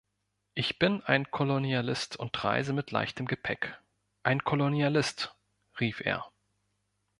„Ich bin ein Kolonialist und reise mit leichtem Gepäck.“ „Ein Kolonialist“, rief er.